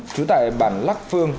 chú tại bản lắc phương